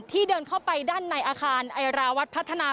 เดินเข้าไปด้านในอาคารไอราวัฒน์พัฒนา